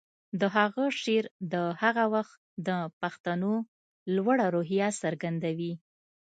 د هغه شعر د هغه وخت د پښتنو لوړه روحیه څرګندوي